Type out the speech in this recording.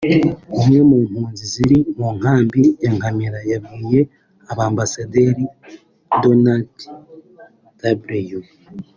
umwe mu mpunzi ziri mu nkambi ya Nkamira yabwiye Ambasaderi Donald W